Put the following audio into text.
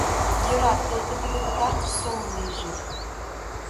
— ЙӧраТолько тиде пытартыш сомыл лийже.